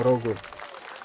hurt dengan bulan bruce